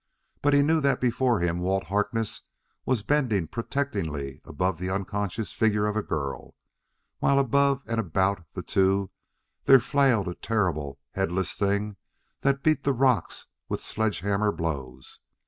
But he knew that before him Walt Harkness was bending protectingly above the unconscious figure of a girl, while above and about the two there flailed a terrible, headless thing that beat the rocks with sledge hammer blows.